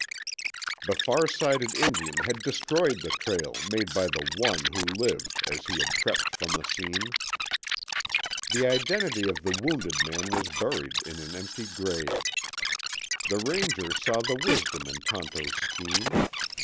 The farsighted Indian had destroyed the trail made by the one who lived as he had crept from the scene. The identity of the wounded man was buried in an empty grave. The Ranger saw the wisdom in Tonto's scheme.